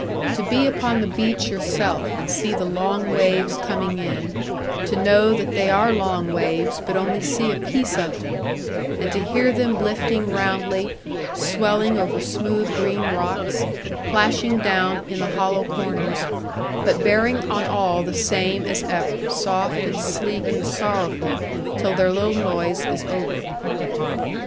To be upon the beach yourself, and see the long waves coming in; to know that they are long waves, but only see a piece of them; and to hear them lifting roundly, swelling over smooth green rocks, plashing down in the hollow corners, but bearing on all the same as ever, soft and sleek and sorrowful, till their little noise is over.